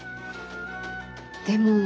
でも。